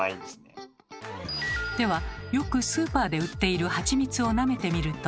ではよくスーパーで売っているハチミツをなめてみると。